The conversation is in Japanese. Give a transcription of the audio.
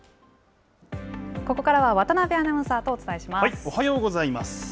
ここからは渡辺アナウンサーとお伝えします。